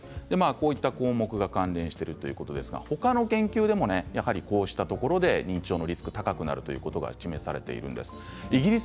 こういった項目が関連しているということなんですが他の研究でもこうしたところで認知症のリスクは高くなると示されています。